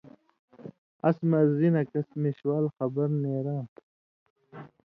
اس مرضی نہ کَس مېشوال خبر نېراں تھو